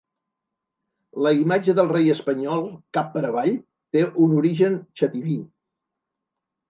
La imatge del rei espanyol cap per avall té un origen xativí.